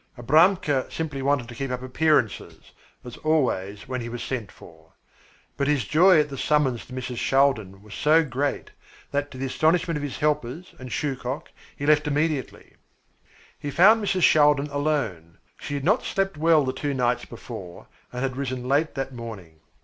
Abramka simply wanted to keep up appearances, as always when he was sent for. But his joy at the summons to Mrs. Shaldin was so great that to the astonishment of his helpers and Shuchok he left immediately. He found Mrs. Shaldin alone. She had not slept well the two nights before and had risen late that morning.